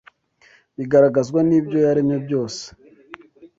bigaragazwa n’ibyo yaremye byose